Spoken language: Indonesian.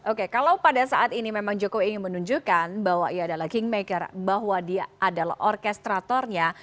oke kalau pada saat ini memang jokowi ingin menunjukkan bahwa ia adalah kingmaker bahwa dia adalah orkestratornya